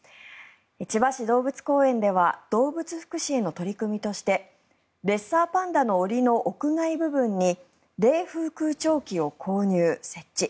千葉市動物公園では動物福祉への取り組みとしてレッサーパンダの檻の屋外部分に冷風空調機を購入・設置。